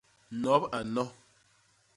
Nop a nno.